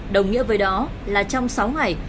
đồng nghĩa với đó là trong sáu ngày